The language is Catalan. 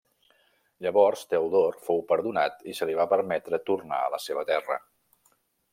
Llavors Teodor fou perdonat i se li va permetre tornar a la seva terra.